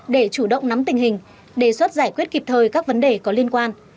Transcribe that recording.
để chủ động nắm tình hình đề xuất giải quyết kịp thời các vấn đề có liên quan